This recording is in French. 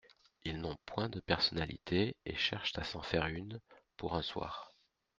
Ils n'ont point de personnalité et cherchent à s'en faire une, pour un soir.